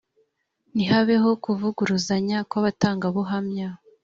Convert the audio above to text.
ntihabeho kuvuguruzanya kw’abatangabuhamya